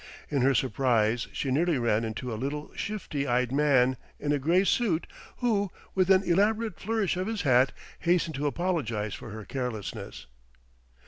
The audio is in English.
In her surprise she nearly ran into a little shifty eyed man, in a grey suit, who, with an elaborate flourish of his hat, hastened to apologise for her carelessness.